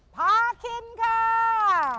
พาคินค่ะ